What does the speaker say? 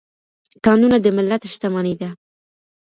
کانونه د ملت شتمني ده.